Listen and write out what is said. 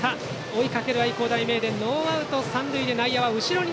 追いかける愛工大名電ノーアウト三塁で内野は後ろ。